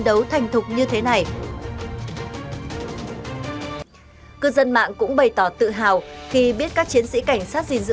đấu thành thục như thế này cư dân mạng cũng bày tỏ tự hào khi biết các chiến sĩ cảnh sát gìn giữ